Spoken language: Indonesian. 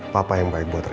papa yang baik buat saya